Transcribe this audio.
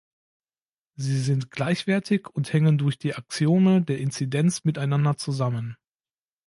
Sie sind gleichwertig und hängen durch die Axiome der Inzidenz miteinander zusammen.